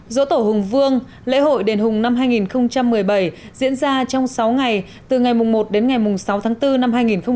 dỗ tổ hùng vương lễ hội đền hùng năm hai nghìn một mươi bảy diễn ra trong sáu ngày từ ngày một đến ngày sáu tháng bốn năm hai nghìn một mươi chín